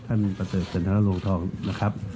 ท่านประเศษจรรย์นรรลงธองนะครับ